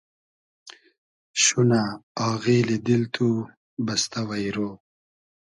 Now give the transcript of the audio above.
شونۂ آغیلی دیل تو بئستۂ وݷرۉ